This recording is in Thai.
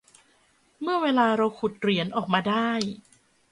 เมื่อเวลาเราขุดเหรียญออกมาได้